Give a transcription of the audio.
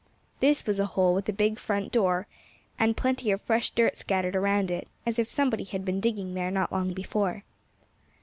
This was a hole with a big front door, and plenty of fresh dirt scattered around it, as if somebody had been digging there not long before.